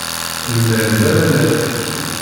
Lmal d amalal.